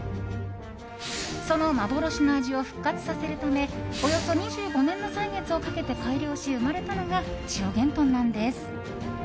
その幻の味を復活させるためおよそ２５年の歳月をかけて改良し生まれたのが千代幻豚なんです。